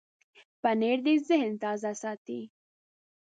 پنېر د ذهن تازه ساتي.